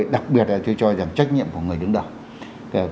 đặc biệt là tôi cho rằng trách nhiệm của người đứng đầu